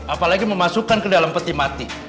apalagi memasukkan ke dalam peti mati